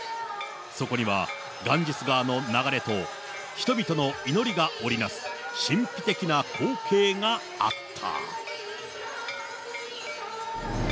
そこにはガンジス川の流れと、人々の祈りが織りなす神秘的な光景があった。